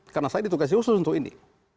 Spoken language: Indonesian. karena saya ditugasi khusus untuk ini